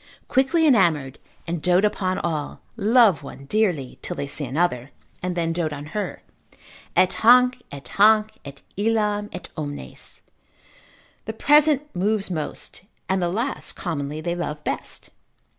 quickly enamoured, and dote upon all, love one dearly, till they see another, and then dote on her, Et hanc, et hanc, et illam, et omnes, the present moves most, and the last commonly they love best.